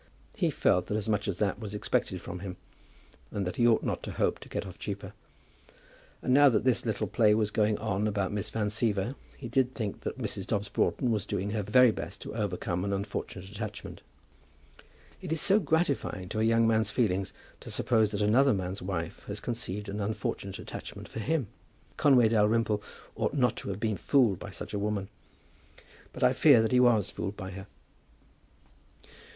He felt that as much as that was expected from him, and that he ought not to hope to get off cheaper. And now that this little play was going on about Miss Van Siever, he did think that Mrs. Dobbs Broughton was doing her very best to overcome an unfortunate attachment. It is so gratifying to a young man's feelings to suppose that another man's wife has conceived an unfortunate attachment for him! Conway Dalrymple ought not to have been fooled by such a woman; but I fear that he was fooled by her.